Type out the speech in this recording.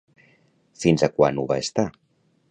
Fins a quan ho va estar?